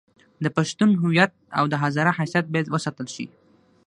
د پښتون هویت او د هزاره حیثیت باید وساتل شي.